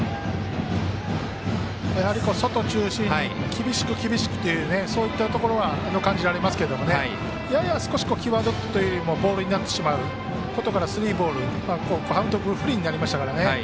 やはり外中心に厳しく厳しくというそういったところは感じられますが、やや少し際どくというよりもボールになってしまうことからスリーボールカウント不利になりましたから。